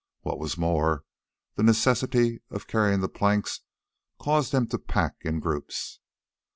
What was more, the necessity of carrying the planks caused them to pack in groups.